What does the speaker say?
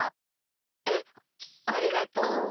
えっありがとう。